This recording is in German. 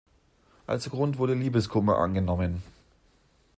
Als Grund wurde Liebeskummer angenommen.